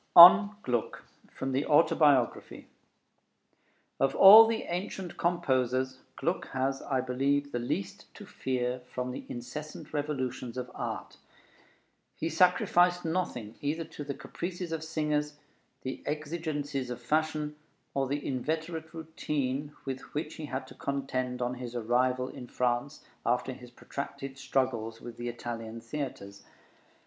ON GLUCK From the Autobiography Of all the ancient composers, Gluck has, I believe, the least to fear from the incessant revolutions of art. He sacrificed nothing either to the caprices of singers, the exigencies of fashion, or the inveterate routine with which he had to contend on his arrival in France, after his protracted struggles with the Italian theatres.